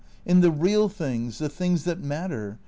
In the real things, the things that matter.